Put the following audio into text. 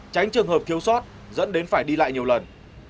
tránh trường hợp thiếu sót dẫn đến phải đi lại nhiều lần